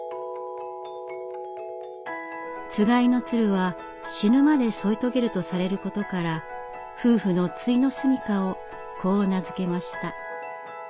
つがいの鶴は死ぬまで添い遂げるとされることから夫婦のついの住みかをこう名付けました。